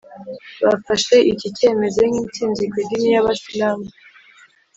bafashe iki cyemeze nk’ itsinzi ku idini y’ Abasilamu.